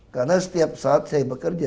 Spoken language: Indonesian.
karena setiap saat saya bekerja